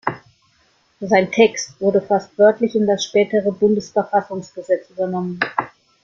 Sein Text wurde fast wörtlich in das spätere Bundesverfassungsgesetz übernommen.